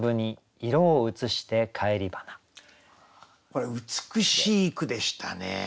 これ美しい句でしたね。